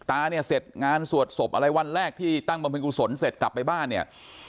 ตาเนี่ยเสร็จงานสวดศพอะไรวันแรกที่ตั้งบำเพ็กกุศลเสร็จกลับไปบ้านเนี่ย